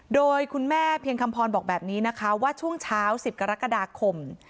โดยคุณแม่เพียงคำพรบอกแบบนี้นะคะว่าช่วงเช้า๑๐กรกฎาคม